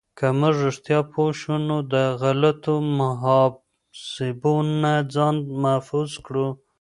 که موږ رښتیا پوه شو، نو د غلطو محاسبو نه ځان محفوظ کړو.